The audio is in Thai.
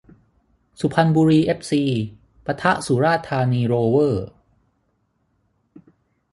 สุพรรณบุรีเอฟซี ปะทะ สุราษฎร์ธานีโรเวอร์